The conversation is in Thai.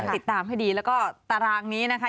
ติดตามให้ดีแล้วก็ตารางนี้นะคะ